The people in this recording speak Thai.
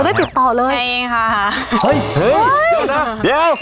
ได้ติดต่อเลยเองค่ะเฮ้ยเฮ้ยเดี๋ยวนะเดี๋ยว